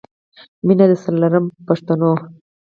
مینه درسره لرم پښتنو.